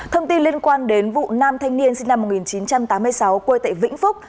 thông tin liên quan đến vụ nam thanh niên sinh năm một nghìn chín trăm tám mươi sáu quê tại vĩnh phúc